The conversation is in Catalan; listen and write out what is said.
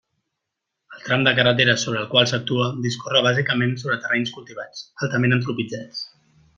El tram de carretera sobre el qual s'actua discorre bàsicament sobre terrenys cultivats, altament antropitzats.